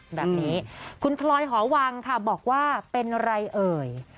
แบบนี้คุณพลอยหอวังค่ะบอกว่าเป็นไรเอ่ย